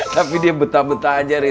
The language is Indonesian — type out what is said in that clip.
tapi dia betah betah aja deh